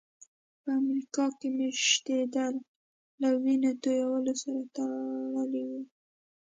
په امریکا کې مېشتېدل له وینې تویولو سره تړلي وو.